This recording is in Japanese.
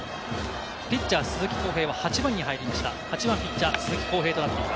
ピッチャー・鈴木康平は８番に入りました。